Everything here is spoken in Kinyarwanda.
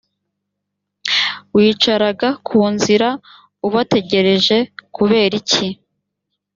wicaraga ku nzira ubategerejekuberiki